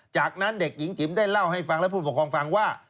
จากนั้นเด็กหญิงจิ๋มได้เล่าให้ฟังและผู้ปกครองฟังว่า